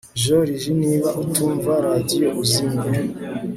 joriji, niba utumva radio, uzimye